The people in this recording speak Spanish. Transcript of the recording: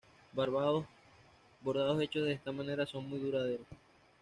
Bordados hechos de esta manera son muy duraderos.